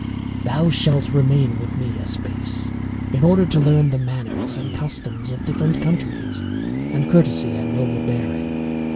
] Thou shalt remain with me a space, in order to learn the manners and customs of different countries, and courtesy and noble bearing.